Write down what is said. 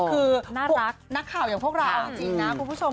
คือน่ารักนักข่าวอย่างพวกเราเอาจริงนะคุณผู้ชม